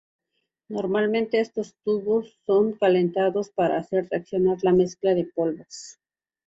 Normalmente estos tubos son calentados para hacer reaccionar la mezcla de polvos.